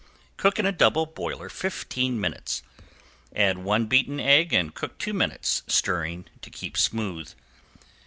Cook in a double boiler fifteen minutes, add one beaten egg and cook two minutes, stirring to keep smooth.